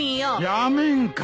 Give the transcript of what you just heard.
やめんか。